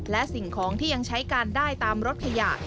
และสิ่งของที่ยังใช้การได้ตามรถขยะ